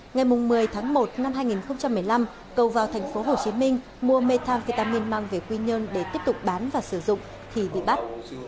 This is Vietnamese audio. ngày một mươi tháng một năm hai nghìn một mươi năm cầu vào thành phố hồ chí minh mua methamphetamine mang về quy nhân để tiếp tục bán và sử dụng thì bị bắt